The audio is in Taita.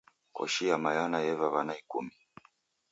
Koshi ya Mayana yeva w'ana ikumi